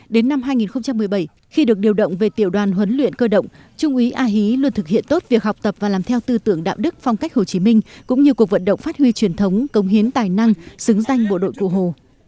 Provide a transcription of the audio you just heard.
đến năm hai nghìn một mươi bảy khi được điều động về tiểu đoàn huấn luyện cơ động trung úy a hí luôn thực hiện tốt việc học tập và làm theo tư tưởng đạo đức phong cách hồ chí minh cũng như cuộc vận động phát huy truyền thống công hiến tài năng xứng danh bộ đội cụ hồ